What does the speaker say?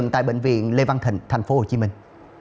tại bệnh viện lê văn thịnh thành phố hồ chí minh